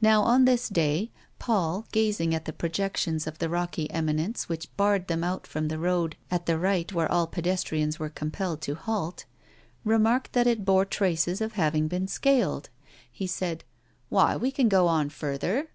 Now, on this day, Paul, gazing at the projections of the rocky eminence which barred them out from the road at the right where all pedestrians were compelled to halt, remarked that it bore traces of having been scaled. He said: "Why, we can go on farther."